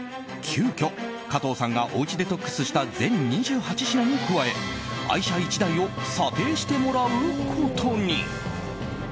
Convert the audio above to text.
急きょ、加藤さんがおうちデトックスした全２８品に加え愛車１台を査定してもらうことに。